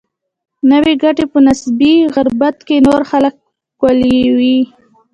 نوي ګټې په نسبي غربت کې نور خلک ښکېلوي.